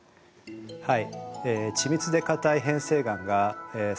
はい。